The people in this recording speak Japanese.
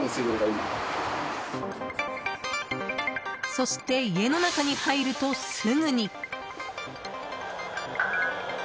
そして家の中に入ると、すぐに。